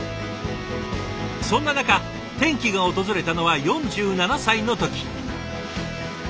そんな中転機が訪れたのは４７歳の時。